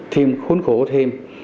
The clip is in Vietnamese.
thêm khốn khổ thêm